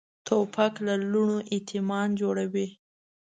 توپک له لوڼو یتیمان جوړوي.